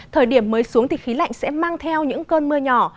thời điểm mới xuống thì khí lạnh sẽ mang theo những cơn mưa nhỏ